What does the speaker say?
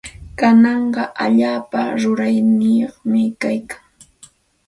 Kanaqa allaapa rurayyuqmi kaykaa.